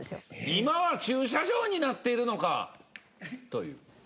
今は駐車場になっているのか！という。